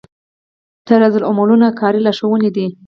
طرزالعملونه کاري لارښوونې دي